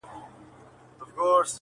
• څنگه دي د زړه سيند ته غوټه سمه.